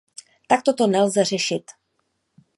Takto to nelze řešit.